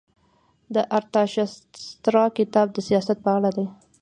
د ارتاشاسترا کتاب د سیاست په اړه دی.